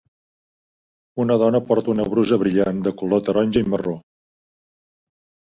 Una dona porta una brusa brillant de color taronja i marró.